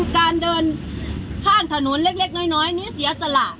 การเดินข้างถนนเล็กน้อยนี้เสียสละ